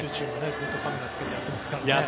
ずっとカメラをつけてやってますからね。